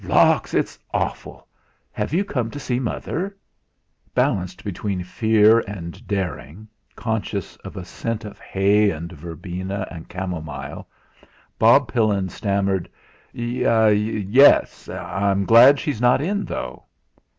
"Lawks! It's awful! Have you come to see mother?" Balanced between fear and daring, conscious of a scent of hay and verbena and camomile, Bob Pillin stammered: "Ye es. I I'm glad she's not in, though."